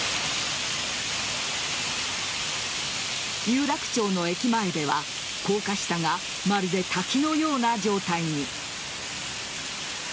有楽町の駅前では高架下がまるで滝のような状態に。